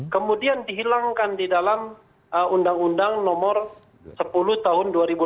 kemudian dihilangkan di dalam undang undang nomor sepuluh tahun dua ribu dua